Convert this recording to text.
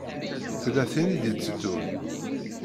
Tella tin i d-iteddun.